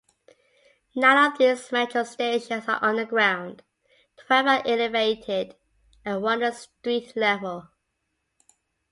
Nine of these metro stations are underground, twelve are elevated, and one is street-level.